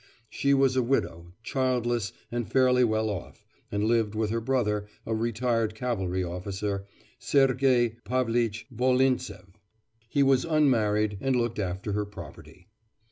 She was a widow, childless, and fairly well off, and lived with her brother, a retired cavalry officer, Sergei Pavlitch Volintsev. He was unmarried and looked after her property.